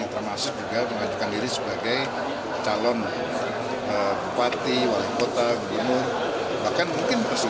bambang susatyo mengambil alih dari perusahaan jokowi